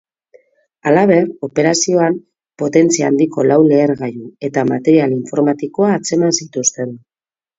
Halaber, operazioan, potentzia handiko lau lehergailu eta material informatikoa atzeman zituzten.